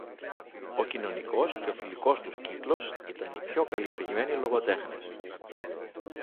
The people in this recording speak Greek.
Ο κοινωνικός και ο φιλικός τους κύκλος ήταν οι πιο καλλιεργημένοι λογοτέχνες